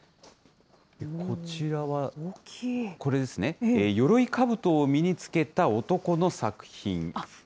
こちらは、これですね、よろいかぶとを身に着けた男の作品。